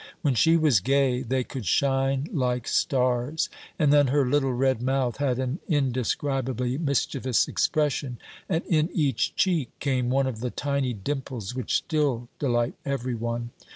When she was gay they could shine like stars, and then her little red mouth had an indescribably mischievous expression, and in each cheek came one of the tiny dimples which still delight every one.